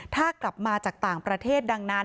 ถ้ากลับมาจากต่างประเทศ